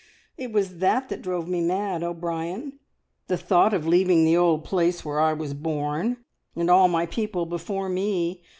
It was that that drove me mad, O'Brien the thought of leaving the old place where I was born, and all my people before me!